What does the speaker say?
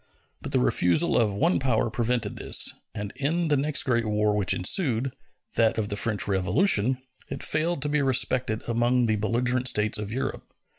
But the refusal of one power prevented this, and in the next great war which ensued that of the French Revolution it failed to be respected among the belligerent States of Europe.